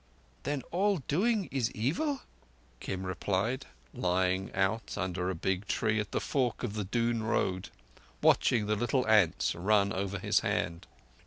"Then all Doing is evil?" Kim replied, lying out under a big tree at the fork of the Doon road, watching the little ants run over his hand.